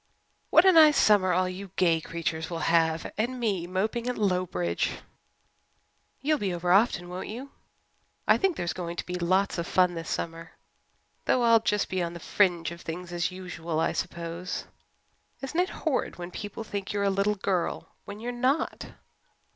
What a nice summer all you gay creatures will have! And me moping at Lowbridge!" "You'll be over often, won't you? I think there's going to be lots of fun this summer, though I'll just be on the fringe of things as usual, I suppose. Isn't it horrid when people think you're a little girl when you're not?"